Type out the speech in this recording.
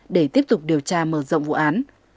để tiếp tục điều tra mở rộng vụ án